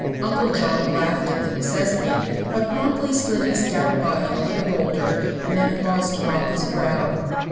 Uncle John laughed at the necessity, but promptly slid his stout body over the boulder and then paused to mop his brow.